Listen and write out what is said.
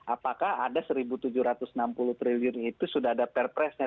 apakah ada rp satu tujuh ratus enam puluh triliun itu sudah ada perpresnya